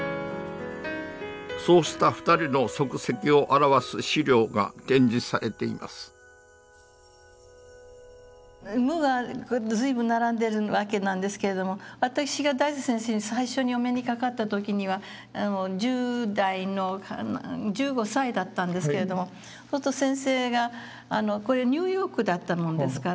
そうした二人の足跡を表す資料が展示されています「無」が随分並んでるわけなんですけれども私が大拙先生に最初にお目にかかった時には１０代の１５歳だったんですけれどもそうすると先生がこれニューヨークだったもんですからね